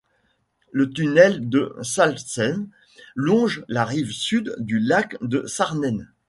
Le tunnel de Sachseln longe la rive sud du lac de Sarnen.